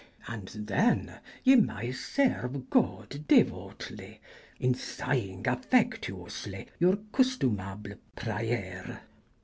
And thenne ye maye serue God deuowtly in sayenge affectuously youre custumable prayer.